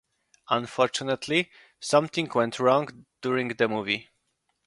Unfortunately, something went wrong during the move.